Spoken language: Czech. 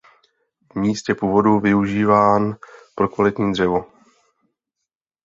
V místě původu využíván pro kvalitní dřevo.